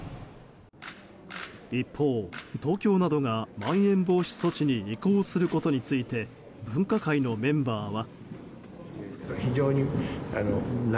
一方、東京などがまん延防止措置に移行することについて分科会のメンバーは。